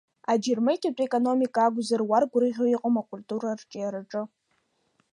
Аџьармыкьатә економика акәзар уаргәырӷьо иҟам акультура арҿиараҿы.